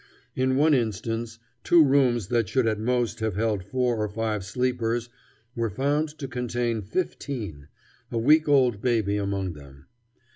In one instance two rooms that should at most have held four or five sleepers were found to contain fifteen, a week old baby among them.